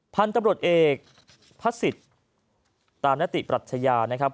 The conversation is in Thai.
พันธุ์ตำรวจเอกพัศจิตตามหน้าติปรัชญานะครับ